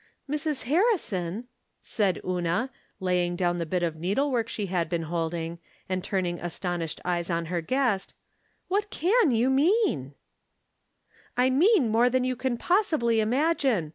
Mrs. Harrison," said Una, laying down the bit of needlework she had been holding, and 334 From Different Standpoints. turning astonished eyes on her guest, " what can you mean ?"" I mean more than you can possibly imagine.